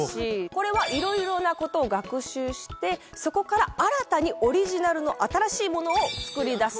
これはいろいろなことを学習してそこから新たにオリジナルの新しいものを作り出す。